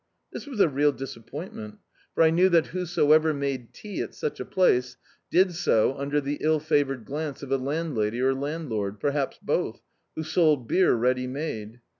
This was a real disappointment, for I knew that (296] D,i.,.db, Google A Da/s Companion whosoever made tea at such a place, did so under the ill favoured glance of a landlady or landlord, perhaps both, who sold beer ready made.